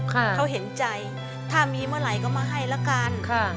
เขาเห็นใจถ้ามีเมื่อไหร่ก็มาให้ละกันค่ะ